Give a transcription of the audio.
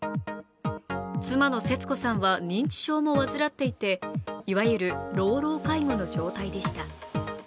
妻の節子さんは認知症も患っていていわゆる老老介護の状態でした。